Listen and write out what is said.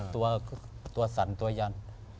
ตัวสั่นตัวยัน